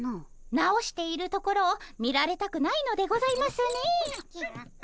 直しているところを見られたくないのでございますね。